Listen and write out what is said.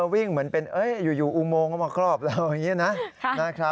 เหมือนเป็นอยู่อุโมงก็มาครอบเราอย่างนี้นะ